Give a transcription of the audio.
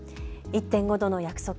１．５℃の約束